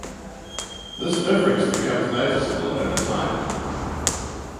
This difference becomes noticeable over time.